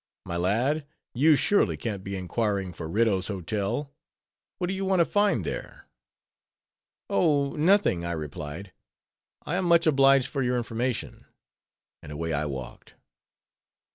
My lad, you surely can't be inquiring for Riddough's Hotel! What do you want to find there?" "Oh! nothing," I replied, "I am much obliged for your information"—and away I walked.